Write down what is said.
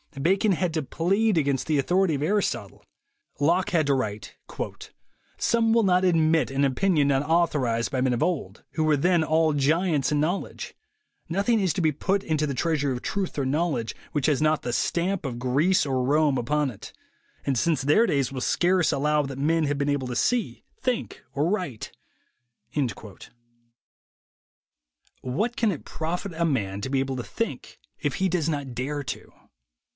Bacon had to plead against the authority of Aris totle. Locke had to write : "Some will not admit an opinion not authorized by men of old, who were then all giants in knowledge. Nothing is to be put into the treasury of truth or knowledge which has not the stamp of Greece or Rome upon it, and since their days will scarce allow that men have been able to see, think or write." What can it profit a man to be able to think, if he does not dare to?